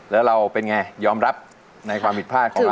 แล้วเราเป็นไงยอมรับในความผิดพลาดของเรา